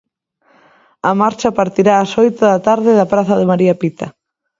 A marcha partirá ás oito da tarde da Praza de María Pita.